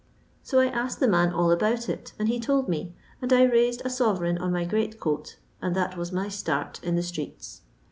So I asked the man all about it, and he told me, and I nused a sovereign on my great coat, and that was my start in the streets.